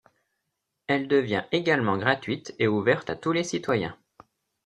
Elle devient également gratuite et ouverte à tous les citoyens.